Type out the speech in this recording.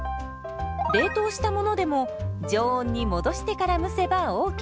冷凍したものでも常温に戻してから蒸せばＯＫ。